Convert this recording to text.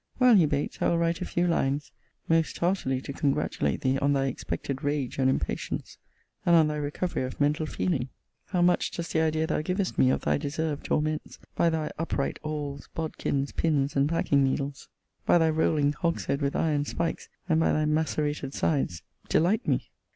While he baits, I will write a few lines, most heartily to congratulate thee on thy expected rage and impatience, and on thy recovery of mental feeling. How much does the idea thou givest me of thy deserved torments, by thy upright awls, bodkins, pins, and packing needles, by thy rolling hogshead with iron spikes, and by thy macerated sides, delight me!